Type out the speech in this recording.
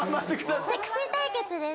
セクシー対決です。